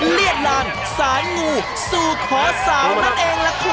เลียดลานสานงูสู้ขอสาวนั่นเองละครับ